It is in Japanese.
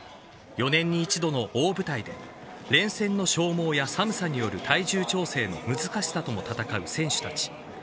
４年に１度の大舞台で連戦の消耗や寒さによる体重調整の難しさとも戦う選手たち。